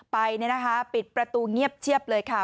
ไปปิดประตูเงียบเชียบเลยค่ะ